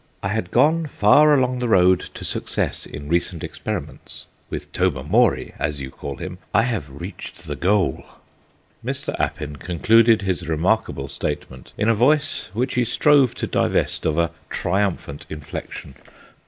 I had gone far along the road to success in recent experiments; with Tobermory, as you call him, I have reached the goal." Mr. Appin concluded his remarkable statement in a voice which he strove to divest of a triumphant inflection.